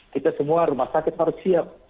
kita semua rumah sakit harus siap